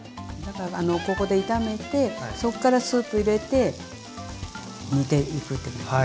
ここで炒めてそっからスープ入れて煮ていくって感じ。